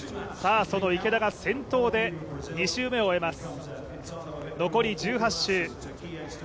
その池田が先頭で２周目を終えます、残り１８周。